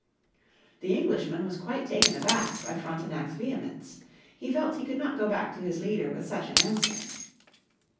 The Englishman was quite taken aback by Frontenac's vehemence. He felt he could not go back to his leader with such an answer.